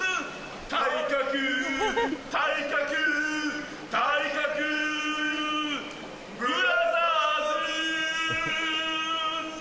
体格、体格、体格ブラザーズ。